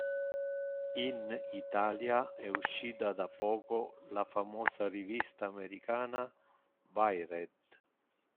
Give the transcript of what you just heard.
In Italia è uscita da poco la famosa rivista americana Wired.